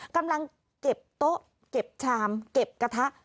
กำลังเก็บโต๊ะเก็บชามเก็บกระทะ